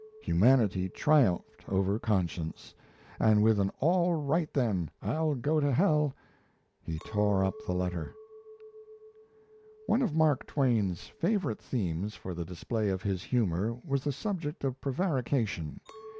Humanity triumphed over conscience and with an "All right, then, I'll go to hell," he tore up the letter. One of Mark Twain's favourite themes for the display of his humour was the subject of prevarication.